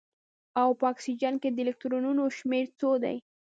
او په اکسیجن کې د الکترونونو شمیر څو دی